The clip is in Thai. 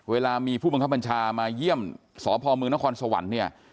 เวลามีผู้บังคับบัญชามาเยี่ยมสพมนครสวรรค์เนี่ย